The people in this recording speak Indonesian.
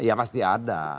ya pasti ada